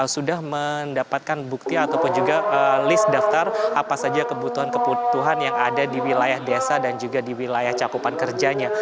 sudah mendapatkan bukti ataupun juga list daftar apa saja kebutuhan kebutuhan yang ada di wilayah desa dan juga di wilayah cakupan kerjanya